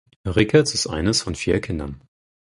Ricketts ist eines von vier Kindern.